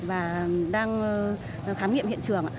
và đang khám nghiệm hiện trường